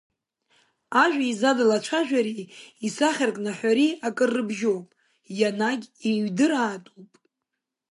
Ажәа еизадала ацәажәареи исахьаркны аҳәареи акыр рыбжьоуп, ианагь еиҩдыраатәуп.